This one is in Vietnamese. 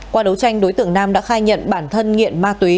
qua đấu tranh đối tượng nam đã khai nhận bản thân nghiện ma túy